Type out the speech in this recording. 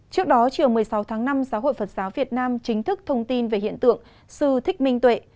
trước đó chiều một mươi sáu tháng năm giáo hội phật giáo việt nam chính thức thông tin về hiện tượng sư thích minh tuệ